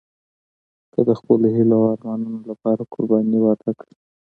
که د خپلو هیلو او ارمانونو لپاره قرباني ورنه کړئ.